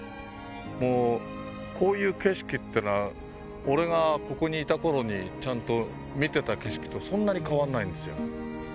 もうこういう景色ってのは俺がここにいた頃にちゃんと見てた景色とそんなに変わんないんですよ